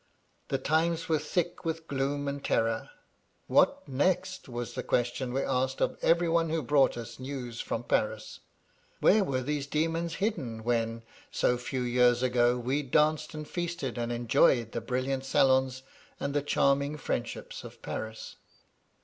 "The times were thick with gloom and terror. * What next?' was the question we asked of every one who brought us news from Paris. Where were these 102 VY LADY LUDLOW. demoiui hidden when, so few years ago, we danced and feasted, and enjoyed the brilliant salons and the charming friendships of Paris